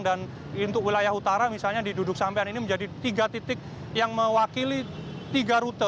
dan untuk wilayah utara misalnya di duduk sampian ini menjadi tiga titik yang mewakili tiga rute